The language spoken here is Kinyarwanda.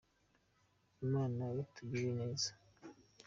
Imana itugirira neza.